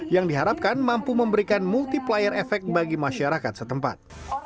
yang diharapkan mampu memberikan multiplier efek bagi masyarakat setempat